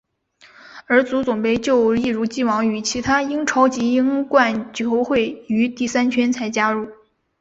而足总杯就一如已往与其他英超及英冠球会于第三圈才加入。